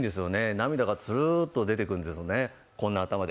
涙がツルッと出てくるんですよね、こんな頭で。